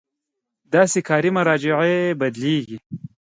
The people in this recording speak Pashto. داسې کاري مراجعو بدلېږي.